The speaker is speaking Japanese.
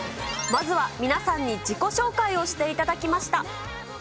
まずは皆さんに自己紹介をしていただきました。